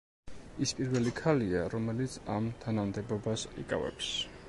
ის პირველი ქალია, რომელიც ამ თანამდებობას იკავებს.